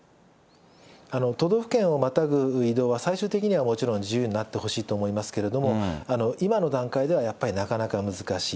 都道府県をまたぐ移動は、最終的にはもちろん自由になってほしいと思いますけれども、今の段階ではやっぱりなかなか難しい。